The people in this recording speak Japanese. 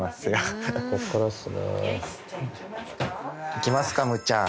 行きますかむぅちゃん。